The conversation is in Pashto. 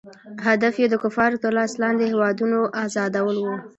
هدف یې د کفارو تر لاس لاندې هیوادونو آزادول وو.